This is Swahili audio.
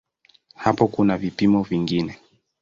Hapo kuna vipimo vingine.